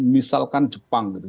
misalkan jepang gitu